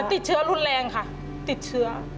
ติดเชื้อรุนแรงค่ะติดเชื้อ